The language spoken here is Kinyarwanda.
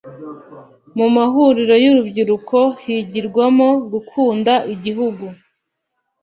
mu mahuriro y’urubyiruko higirwagamo gukunda igihugu